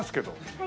はい。